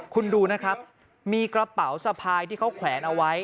คุณดูนะครับมีกระเป๋าสะพายที่เขาแขวนเอาไว้